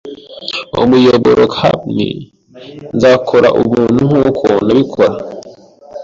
umuyoboro, cap'n, nzakora ubuntu nkuko nabikora. ”